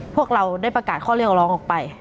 พวกเราได้ประกาศข้อเรียกร้องออกไป